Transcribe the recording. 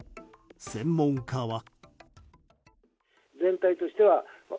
専門家は。